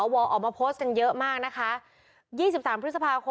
ผมก็ยังอยู่กับหน้าพัก